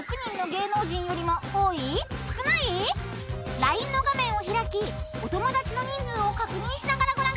［ＬＩＮＥの画面を開きお友だちの人数を確認しながらご覧ください］